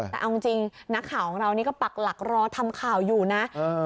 แต่เอาจริงนักข่าวของเรานี่ก็ปักหลักรอทำข่าวอยู่นะ